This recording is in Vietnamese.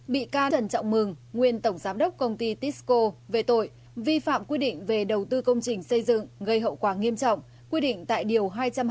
bị can trần trọng mừng nguyên tổng giám đốc công ty tisco về tội vi phạm quy định về đầu tư công trình xây dựng gây hậu quả nghiêm trọng quy định tại điều hai trăm hai mươi